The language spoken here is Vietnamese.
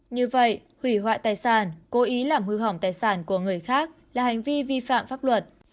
như vậy hủy hoại tài sản cố ý làm hư hỏng tài sản của người khác là hành vi vi phạm pháp luật